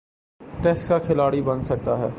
Test کا کھلاڑی بن سکتا ہے۔